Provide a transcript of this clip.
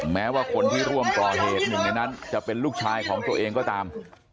แม้ว่าคนที่ร่วมก่อเหตุหนึ่งในนั้นจะเป็นลูกชายของตัวเองก็ตาม